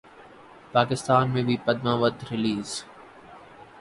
پاکستان میں بھی پدماوت ریلیز